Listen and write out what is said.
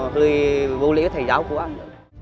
hơi vô lĩa với thầy giáo của anh